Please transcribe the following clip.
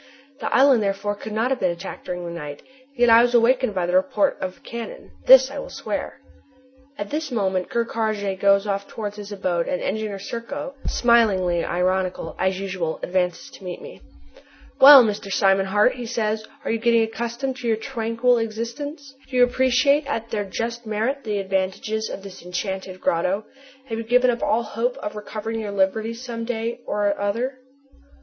The island therefore could not have been attacked during the night. Yet I was awakened by the report of cannon, this I will swear. At this moment Ker Karraje goes off towards his abode and Engineer Serko, smilingly ironical, as usual, advances to meet me. "Well, Mr. Simon Hart," he says, "are you getting accustomed to your tranquil existence? Do you appreciate at their just merit the advantages of this enchanted grotto? Have you given up all hope of recovering your liberty some day or other?"